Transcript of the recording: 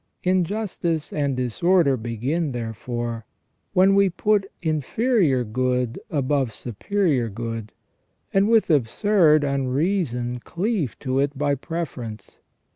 Injustice and disorder begin, therefore, when we put inferior good above superior good, and with absurd un reason cleave to it by preference.